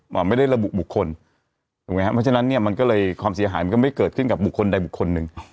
ไม่ได้ระบุบุคคลถูกไหมครับเพราะฉะนั้นเนี่ยมันก็เลยความเสียหายมันก็ไม่เกิดขึ้นกับบุคคลใดบุคคลหนึ่ง